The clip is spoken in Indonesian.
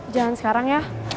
jangan sekarang ya